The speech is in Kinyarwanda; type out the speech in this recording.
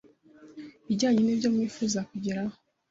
ajyanye n’ibyo mwifuza kugeraho